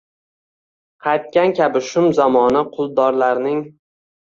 Qaytgan kabi shum zamoni quldorlarning.